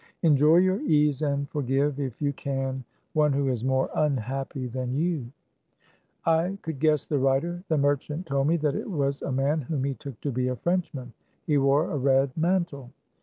Enjoy you ease and forgive, if you can, one who is more unhappy than you? 152 THE CAB AVAN. I could guess the writer. The merchant told me that it was a man whom he took to be a Frenchman. He wore a red mantle.